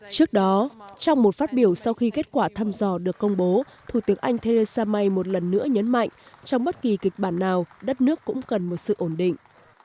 trước đó trong một phát biểu sau khi kết quả thăm dò được công bố thủ tướng anh theresa may một lần nữa nhấn mạnh trong bất kỳ kịch bản nào đất nước cũng cần một sự ổn định